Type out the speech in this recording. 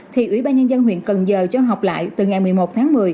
thì ủy ban nhân dân huyện cần giờ cho học lại từ ngày một mươi một tháng một mươi